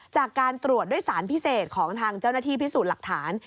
จากการตรวจด้วยสารพิเศษของทางเจ้าหน้าที่พิสูจน์หลักฐาน